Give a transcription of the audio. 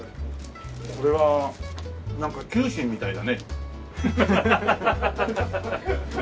これはなんか救心みたいだね。